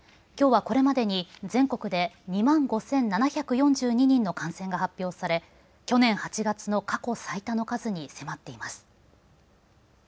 きょうはこれまでに全国で２万５７４２人の感染が発表され去年８月の過去最多の数に迫っています。